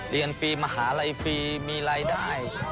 เรียนฟรีมหาลัยฟรีมีรายได้